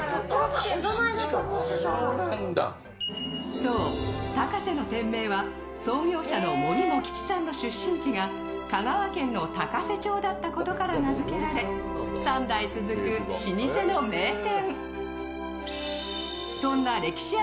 そう、タカセの店名は創業者の森茂吉さんの出身地が香川県の高瀬町だったことから名付けられ３代続く、老舗の名店。